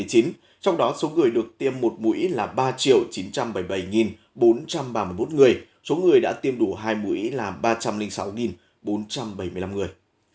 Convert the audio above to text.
trong đó số người được tiêm một mũi là ba chín trăm bảy mươi bảy bốn trăm ba mươi một người số người đã tiêm đủ hai mũi là ba trăm linh sáu bốn trăm bảy mươi năm người